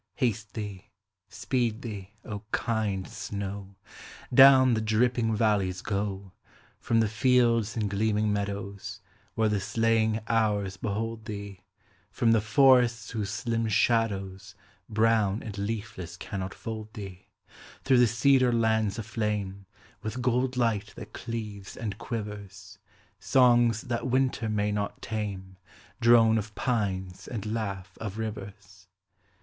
Haste thee, speed thee, O kind snow; Down the dripping valleys go, From the fields and gleaming meadows, Where the slaying hours behold thee, From the forests whose slim shadows, Brown and leafless cannot fold thee, Through the cedar lands aflame With gold light that cleaves and quivers, Songs that winter may not tame, Drone of pines and laugh of rivers.